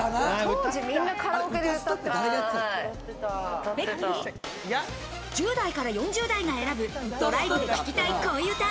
当時みんなカラオケで歌って１０代から４０代が選ぶドライブで聴きたい恋うた。